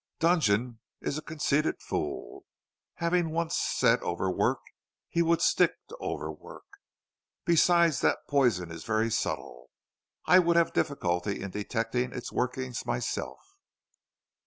"Dudgeon is a conceited fool. Having once said overwork, he would stick to overwork. Besides that poison is very subtle; I would have difficulty in detecting its workings myself."